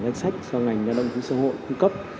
danh sách do ngành nhà đông của xã hội cung cấp